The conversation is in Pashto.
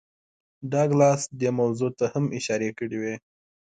ډاګلاس دې موضوع ته هم اشارې کړې وې